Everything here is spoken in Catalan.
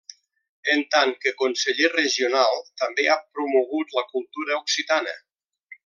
En tant que conseller regional, també ha promogut la cultura occitana.